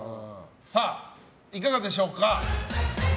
いかがでしょうか？